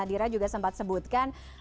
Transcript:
nadira juga sempat sebutkan